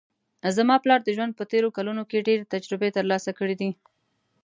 زما پلار د ژوند په تېرو کلونو کې ډېر تجربې ترلاسه کړې ده